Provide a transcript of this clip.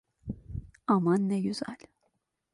Aman ne güzel.